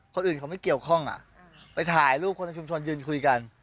คนอื่นเขาไม่เกี่ยวข้องอ่ะไปถ่ายรูปคนในชุมชนยืนคุยกัน